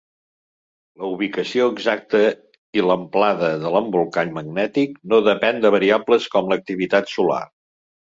La ubicació exacta i l'amplada de l'embolcall magnètic no depèn de variables com l'activitat solar.